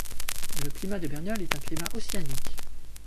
Le climat de Bernieulles est un climat océanique.